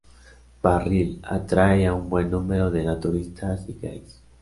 Barril atrae a un buen número de naturistas y gays.